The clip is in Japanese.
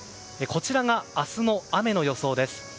こちらが明日の雨の予想です。